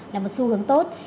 là một xu hướng tốt